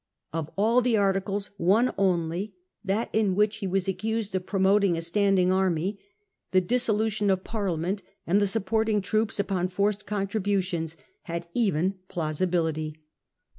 Of 29, 1667. all the articles, one only —that in which he was accused of promoting a standing army, the dissolution of Parliament, and the supporting troops upon forced con tributions had even plausibility.